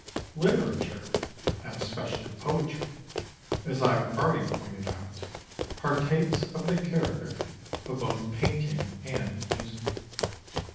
Literature, and especially poetry, as I have already pointed out, partakes of the character of both painting and music.